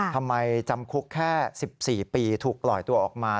จำคุกแค่๑๔ปีถูกปล่อยตัวออกมา